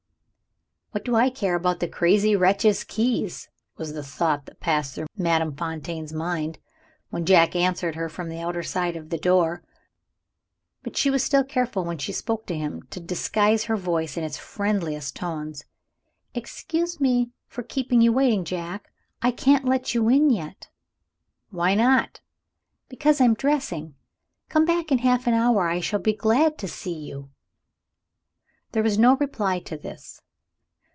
"What do I care about the crazy wretch's keys?" was the thought that passed through Madame Fontaine's mind, when Jack answered her from the outer side of the door. But she was still careful, when she spoke to him, to disguise her voice in its friendliest tones. "Excuse me for keeping you waiting, Jack. I can't let you in yet." "Why not?" "Because I am dressing. Come back in half an hour; and I shall be glad to see you." There was no reply to this.